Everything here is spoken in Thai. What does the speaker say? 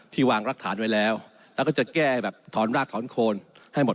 วางรักฐานไว้แล้วแล้วก็จะแก้แบบถอนรากถอนโคนให้หมด